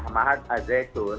mahat al zaitun